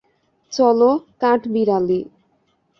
চলো, কাঠবিড়ালি!